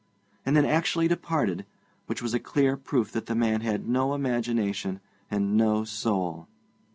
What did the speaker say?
and then actually departed, which was a clear proof that the man had no imagination and no soul.